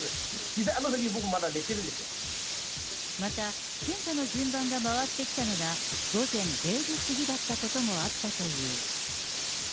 実は僕、また、検査の順番が回ってきたのが、午前０時過ぎだったこともあったという。